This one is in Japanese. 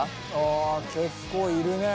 あ結構いるね。